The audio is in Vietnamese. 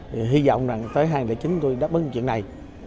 thì hy vọng là tới hai nghìn một mươi chín chúng tôi đáp ứng chuyện này